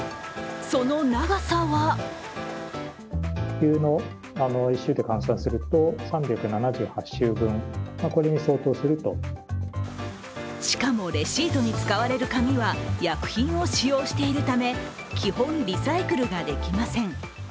その長さはしかも、レシートに使われる紙は薬品を使用しているため、基本、リサイクルができません。